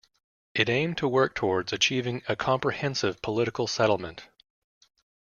It aimed to work towards achieving a comprehensive political settlement.